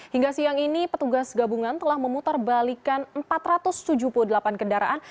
hingga siang ini petugas gabungan telah memutar balikan empat ratus tujuh puluh delapan kendaraan